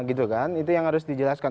itu yang harus dijelaskan